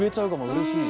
うれしい。